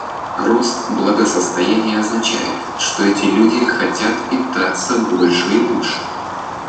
Рост благосостояния означает, что эти люди хотят питаться больше и лучше.